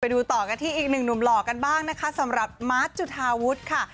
ดูต่อกันที่อีกหนึ่งหนุ่มหล่อกันบ้างนะคะสำหรับมาร์ทจุธาวุฒิค่ะ